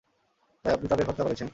তাই আপনি তাদের হত্যা করেছেন।